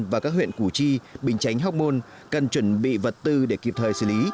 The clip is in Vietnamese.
và các huyện củ chi bình chánh hóc môn cần chuẩn bị vật tư để kịp thời xử lý